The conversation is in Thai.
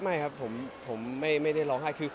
ไม่ครับผมไม่ได้ร้องไห้คือ